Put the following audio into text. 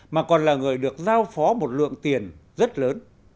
mà còn là người được giao phó một lượng tiền rất lớn